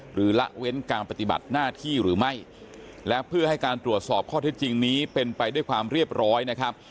ละเว้นการปฏิบัติหน้าที่หรือไม่และเพื่อให้การตรวจสอบข้อเท็จจริงนี้เป็นไปด้วยความเรียบร้อยนะครับ